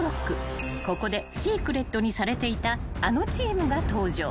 ［ここでシークレットにされていたあのチームが登場］